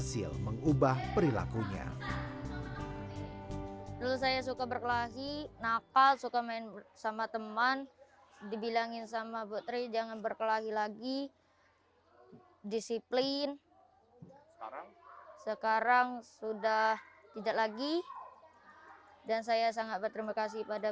selamat pagi atta